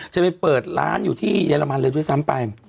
จะไปเปิดร้านอยู่ที่เยอรมันเลยด้วยซ้ำไป